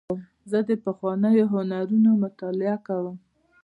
زه د پخوانیو هنرونو مطالعه کوم.